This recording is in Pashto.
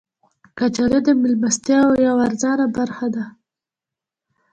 کچالو د میلمستیاو یوه ارزانه برخه ده